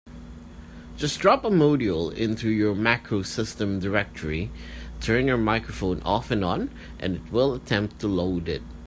Just drop a module into your MacroSystem directory, turn your microphone off and on, and it will attempt to load it.